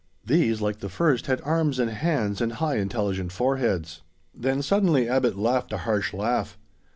These, like the first, had arms and hands and high intelligent foreheads. Then suddenly Abbot laughed a harsh laugh.